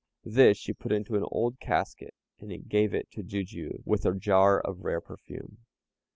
This she put into an old casket, and gave it to Jijiu, with a jar of rare perfume.